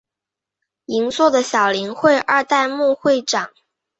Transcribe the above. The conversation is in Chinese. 银座的小林会二代目会长。